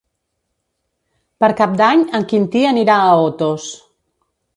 Per Cap d'Any en Quintí anirà a Otos.